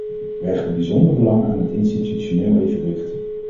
Wij hechten bijzonder belang aan het institutioneel evenwicht.